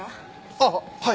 ああはい。